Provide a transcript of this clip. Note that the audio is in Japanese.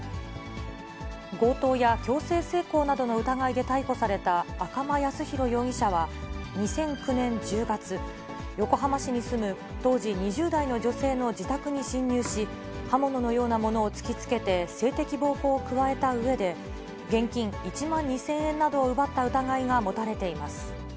強盗や強制性交などの疑いで逮捕された赤間靖浩容疑者は２００９年１０月、横浜市に住む、当時２０代の女性の自宅に侵入し、刃物のようなものを突きつけて性的暴行を加えたうえで、現金１万２０００円などを奪った疑いが持たれています。